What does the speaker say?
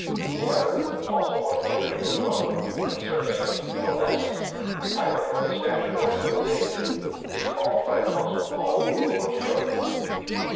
The other, also one of the original twelve, and surnamed "the less," either from his stature or from his age, is called by Apostle Paul, the Lord's brother.